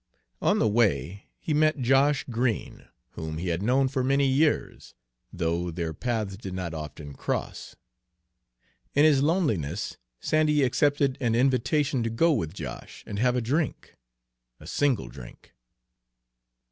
On the way he met Josh Green, whom he had known for many years, though their paths did not often cross. In his loneliness Sandy accepted an invitation to go with Josh and have a drink, a single drink.